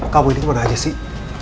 kamu ini gimana aja sih